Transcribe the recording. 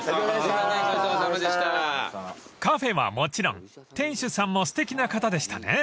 ［カフェはもちろん店主さんもすてきな方でしたね］